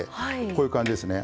こういう感じですね。